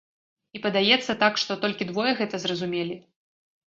І, падаецца, так што, толькі двое гэта зразумелі?